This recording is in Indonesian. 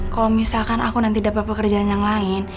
kalau misalkan aku nanti dapat pekerjaan yang lain